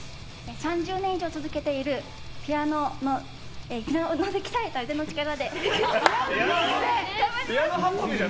３０年以上続けているピアノで鍛えた腕の力で。